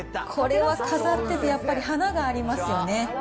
これは飾っててやっぱり、華がありますよね。